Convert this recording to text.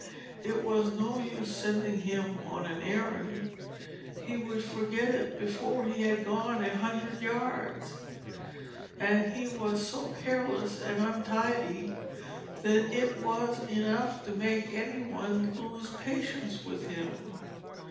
It was no use sending him on an errand, he would forget it before he had gone a hundred yards, and he was so careless and untidy that it was enough to make any one lose patience with him.